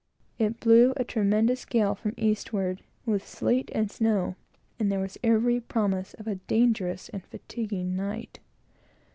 It blew a tremendous gale from the eastward, with sleet and snow, and there was every promise of a dangerous and fatiguing night.